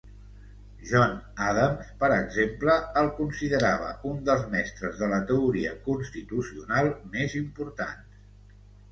John Adams, per exemple, el considerava un dels mestres de la teoria constitucional més importants.